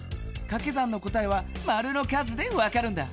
かけ算の答えはマルの数でわかるんだ。